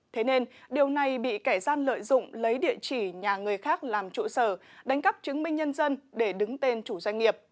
thế nên điều này bị kẻ gian lợi dụng lấy địa chỉ nhà người khác làm trụ sở đánh cắp chứng minh nhân dân để đứng tên chủ doanh nghiệp